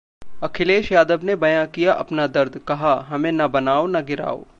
अखिलेश यादव ने बयां किया अपना दर्द कहा, 'हमें न बनाओ न गिराओ'